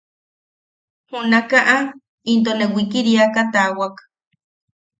Junakaʼa into ne wikiriaka taawak.